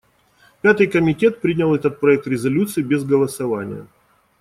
Пятый комитет принял этот проект резолюции без голосования.